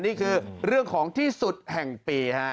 นี่คือเรื่องของที่สุดแห่งปีฮะ